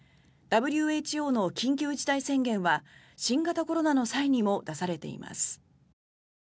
ＷＨＯの緊急事態宣言は新型コロナの際にも出されています。